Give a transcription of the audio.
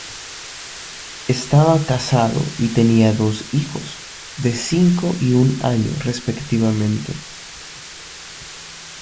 Estaba casado y tenía dos hijos, de cinco y un año respectivamente.